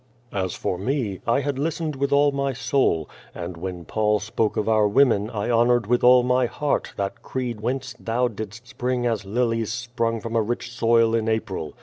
As for me, I had listened with all my soul, and when Paul spoke of our women I honored with all my lieart that creed whence thou didst spring as lilies spring from a rich soil in April.